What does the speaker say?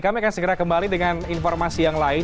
kami akan segera kembali dengan informasi yang lain